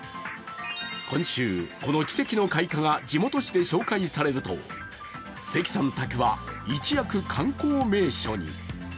今週、この奇跡の開花が地元紙で紹介されると、関さん宅は一躍、観光名所に。